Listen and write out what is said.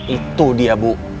itu dia bu